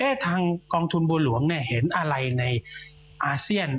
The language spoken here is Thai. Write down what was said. ทางกองทุนบัวหลวงเนี่ยเห็นอะไรในอาเซียน